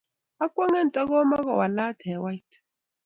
akwonge nto mokuwalak hewait.